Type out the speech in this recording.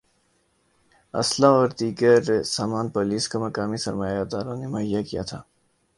ہ اسلحہ اور دیگر سامان پولیس کو مقامی سرمایہ داروں نے مہیا کیا تھا